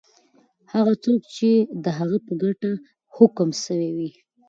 هغه څوک دی چی د هغه په ګټه حکم سوی وی؟